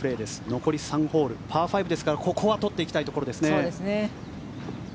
残り３ホールパー５ですからここは取っていきたいところですね。